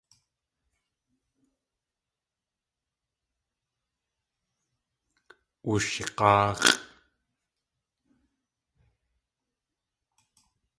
Wushig̲áax̲ʼ.